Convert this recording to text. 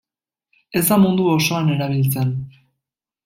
Ez da mundu osoan erabiltzen.